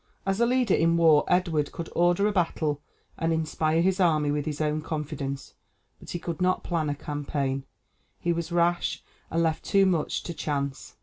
As a leader in war Edward could order a battle and inspire his army with his own confidence, but he could not plan a campaign; he was rash, and left too much to chance.